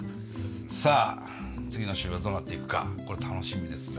さあ次の週はどうなっていくかこれ楽しみですね。